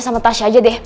sama tasya aja deh